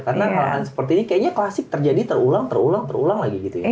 karena hal hal seperti ini kayaknya klasik terjadi terulang terulang terulang lagi gitu ya